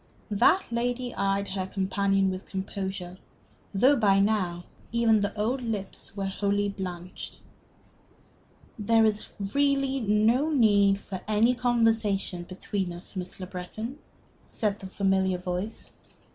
That lady eyed her companion with composure, though by now even the old lips were wholly blanched. "There is really no need for any conversation between us, Miss Le Breton," said the familiar voice.